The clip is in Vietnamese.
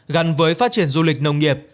gắn với phát triển du lịch nông nghiệp